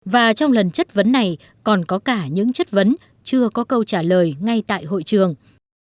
và trong lần chất vấn này còn có cả những chất vấn chưa có câu trả lời ngay tại hội trường